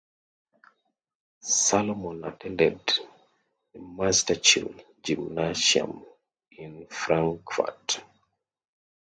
Salomon attended the Musterschule gymnasium in Frankfurt.